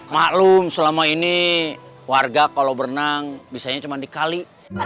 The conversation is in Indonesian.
maklum selama ini warga kalau berenang bisa cuma dikali